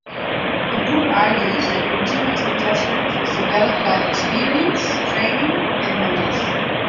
The book argues that intuitive judgment is developed by experience, training, and knowledge.